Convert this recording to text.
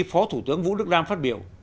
phó thủ tướng vũ đức đam phát biểu